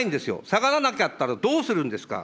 下がらなかったら、どうするんですか。